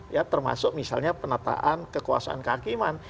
ya termasuk misalnya penataan kekuasaan kehakiman